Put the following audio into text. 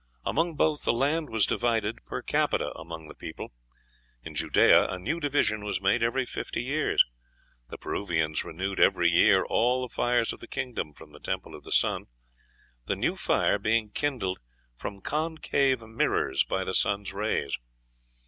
Among both the land was divided per capita among the people; in Judea a new division was made every fifty years. The Peruvians renewed every year all the fires of the kingdom from the Temple of the Sun, the new fire being kindled from concave mirrors by the sun's rays.